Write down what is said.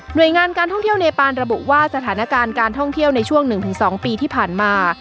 โดยงานการท่องเที่ยวเนปานระบุว่าสถานการณ์การท่องเที่ยวในช่วง๑๒ปีที่ผ่านมา